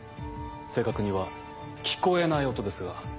正確には聞こえない音ですが。